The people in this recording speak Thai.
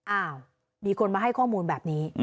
อ้าวมีคนมาให้ข้อมูลแบบนี้